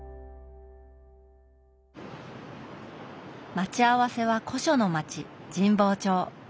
待ち合わせは古書の町神保町。